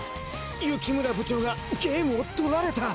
幸村部長がゲームをとられた！